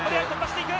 突破していく。